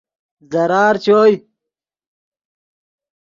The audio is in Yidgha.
ضرار چوئے